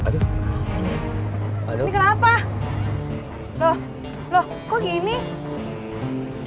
selamat enam tahun ya nak